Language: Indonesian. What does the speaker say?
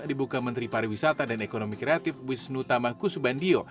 dibuka menteri pariwisata dan ekonomi kreatif wisnu tama kusubandio